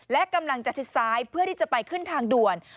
และกำลังจะชิดซ้ายเพื่อที่จะไปขึ้นทางด่วน